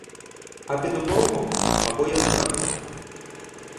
А під оборогом — або я знаю.